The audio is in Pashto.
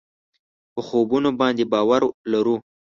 په خوبونو باندې باور لرو.